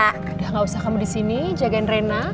sudah gak usah kamu di sini jagain rena